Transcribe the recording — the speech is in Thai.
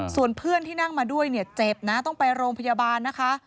ส่วนเพื่อนที่นั่งมาด้วยเนี่ยเจ็บนะต้องไปโรงพยาบาลนะคะ